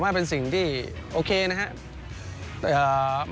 ว่าเป็นสิ่งที่โอเคนะครับ